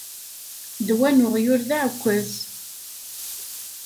Ddwa n uɣyul d aɛekkaz.